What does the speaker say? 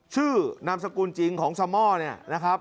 ชื่อนามสกุลจริงของสม่อนะครับ